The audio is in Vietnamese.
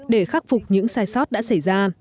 để khắc phục những sai sót đã xảy ra